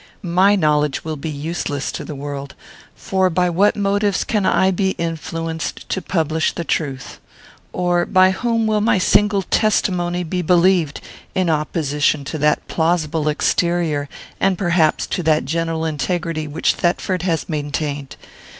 My knowledge will be useless to the world; for by what motives can I be influenced to publish the truth? or by whom will my single testimony be believed, in opposition to that plausible exterior, and, perhaps, to that general integrity, which Thetford has maintained?